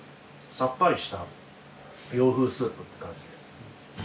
さっぱりした洋風スープって感じで。